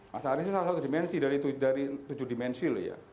masa hari ini salah satu dimensi dari tujuh dimensi